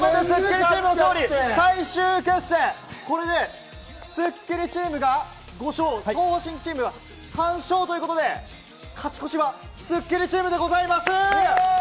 最終決戦、これでスッキリチームが５勝、東方神起チーム３勝ということで勝ち越しはスッキリチームでございます。